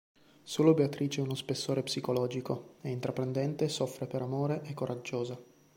Solo Beatrice ha uno spessore psicologico: è intraprendente, soffre per amore, è coraggiosa.